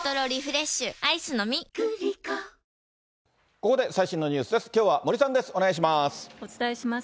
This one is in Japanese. ここで最新のニュースです。